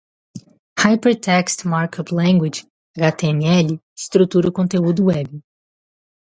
Hypertext Markup Language (HTML) estrutura o conteúdo web.